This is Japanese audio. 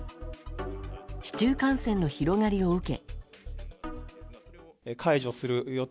市中感染の広がりを受け。